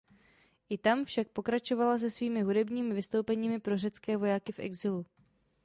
I tam však pokračovala se svými hudebními vystoupeními pro řecké vojáky v exilu.